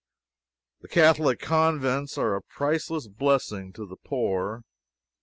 The Catholic Convents are a priceless blessing to the poor.